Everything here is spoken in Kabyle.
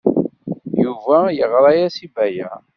Yuba yeɣra-as i Baya.